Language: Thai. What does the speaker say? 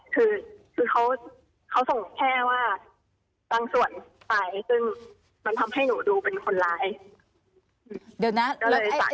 คือเขาส่งแค่ว่าตั้งส่วนไปซึ่งมันทำให้หนูดูเป็นคนร้าย